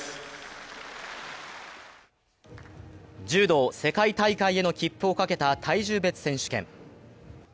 柔道、世界大会への切符をかけた体重別選手権。